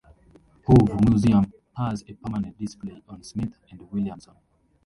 Hove Museum has a permanent display on Smith and Williamson.